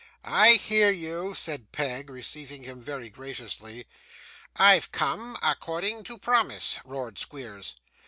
'I hear you,' said Peg, receiving him very graciously. 'I've come according to promise,' roared Squeers.